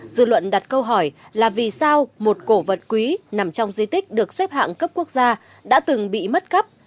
dư luận đặt câu hỏi là vì sao một cổ vật quý nằm trong di tích được xếp hạng cấp quốc gia đã từng bị mất cắp